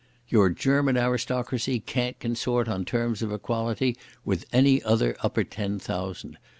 Your German aristocracy can't consort on terms of equality with any other Upper Ten Thousand.